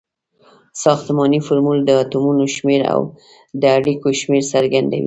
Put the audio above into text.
ساختمانی فورمول د اتومونو شمیر او د اړیکو شمیر څرګندوي.